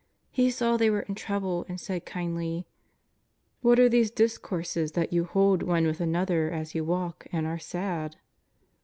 He saw they were in trouble and said kindly :" What are these discourses that you hold one with another as you walk, and are sad